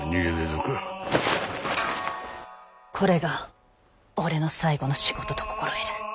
これが俺の最後の仕事と心得る。